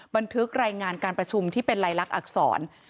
บันทึกรายงานการประชุมที่เป็นลายลักษณอักษร